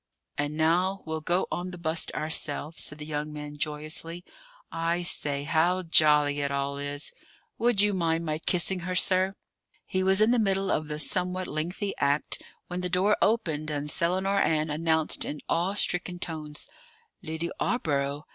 "And now we'll go on the bust ourselves," said the young man joyously. "I say, how jolly it all is! Would you mind my kissing her, sir?" He was in the middle of the somewhat lengthy act, when the door opened, and Selinar Ann announced in awe stricken tones: "Lidy 'Awborough!"